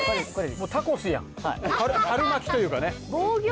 もうタコスやん春巻きというかね